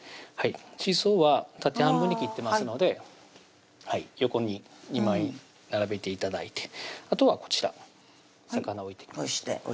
しそは縦半分に切ってますので横に２枚並べて頂いてあとはこちら魚置いていきます